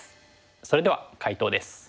それでは解答です。